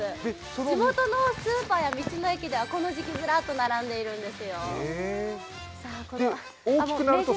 地元のスーパーや道の駅ではこの時期ずらっと並んでるんです。